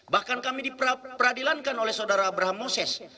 bahkan kami diperadilankan oleh saudara abraham moses